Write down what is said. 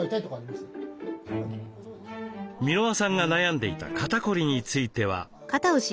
箕輪さんが悩んでいた肩凝りについては。